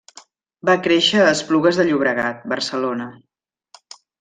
Va créixer a Esplugues de Llobregat, Barcelona.